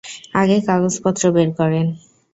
আগে কাগজপত্র বের করেন?